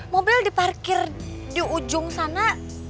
mobil diparkir di ujung sana